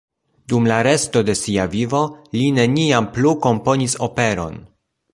Dum la resto de sia vivo li neniam plu komponis operon.